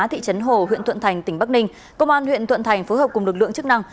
thị trấn hồ huyện thuận thành tỉnh bắc ninh công an huyện thuận thành phối hợp cùng lực lượng chức năng